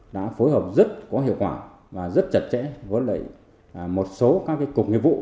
đã phối hợp rất có hiệu quả và rất chặt chẽ với một số các cục nghiệp vụ